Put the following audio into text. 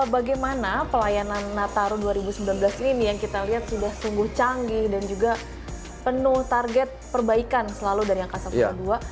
bagaimana pelayanan nataru dua ribu sembilan belas ini yang kita lihat sudah sungguh canggih dan juga penuh target perbaikan selalu dari angkasa pura ii